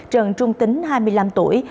trần trung tín hai mươi năm tuổi